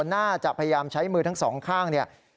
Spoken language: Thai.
น่าจะพยายามใช้มือทั้งสองข้างเนี่ย